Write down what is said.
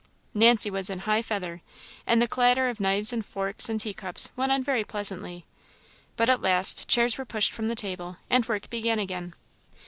Nancy was in high feather; and the clatter of knives and forks and tea cups went on very pleasantly. But at last, chairs were pushed from the table, and work began again.